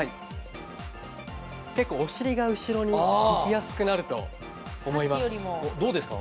結構、お尻が後ろにいきやすくなると思います。